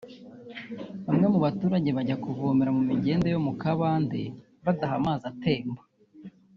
Bamwe mu baturage bajya kuvomera mu migende yo mu kabande badaha amazi atemba